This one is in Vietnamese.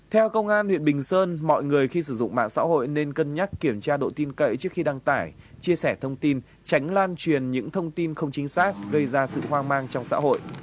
theo công an huyện bình sơn mọi người khi sử dụng mạng xã hội nên cân nhắc kiểm tra độ tin cậy trước khi đăng tải chia sẻ thông tin tránh lan truyền những thông tin không chính xác gây ra sự hoang mang trong xã hội